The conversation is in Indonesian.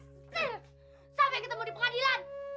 sampai ketemu di pengadilan